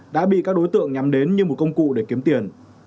đã bị các đối tượng nhắm đến như một công cụ để kiếm tiền